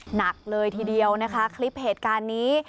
หนักเลยทีเดียวนะคะคลิปเหตุการณ์นี้